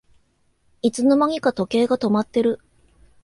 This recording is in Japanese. いつの間にか時計が止まってる